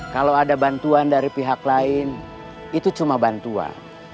kalau ada bantuan dari pihak lain itu cuma bantuan